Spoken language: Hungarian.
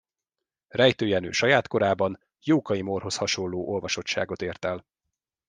Rejtő Jenő saját korában Jókai Mórhoz hasonló olvasottságot ért el.